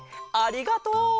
ありがとう！